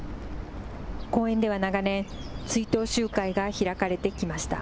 公園では長年、追悼集会が開かれてきました。